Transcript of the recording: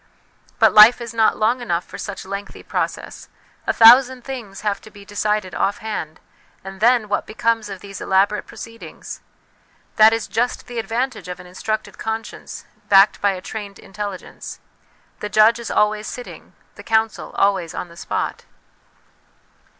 But life is not long enough for such lengthy process ; a thousand things have to be decided off hand, and then what becomes of these elaborate proceedings? That is just the advantage of an instructed conscience backed by a trained intelli gence; the judge is always sitting, the counsel always on the spot.